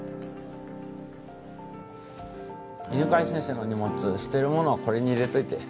犬飼先生の荷物捨てるものはこれに入れといて。